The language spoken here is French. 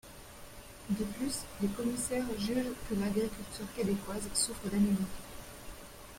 De plus, les commissaires jugent que l'agriculture québécoise souffre d'anémie.